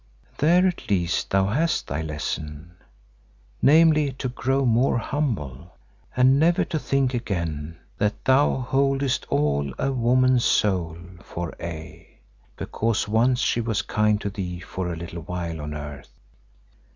There at least thou hast thy lesson, namely to grow more humble and never to think again that thou holdest all a woman's soul for aye, because once she was kind to thee for a little while on earth."